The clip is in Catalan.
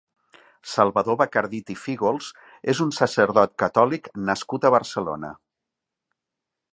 Salvador Bacardit i Fígols és un sacerdot catòlic nascut a Barcelona.